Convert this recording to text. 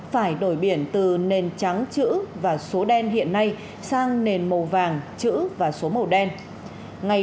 phải đổi biển từ nền trắng chữ và số đen hiện nay sang nền màu vàng chữ và số màu đen